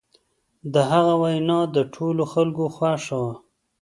د هغه وینا د ټولو خلکو خوښه وه.